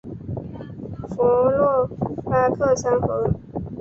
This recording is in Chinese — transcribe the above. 弗洛拉克三河。